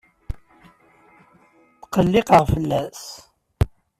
Tqelliqeɣ fell-as.